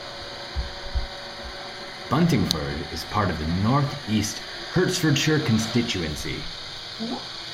Buntingford is part of the North East Hertfordshire constituency.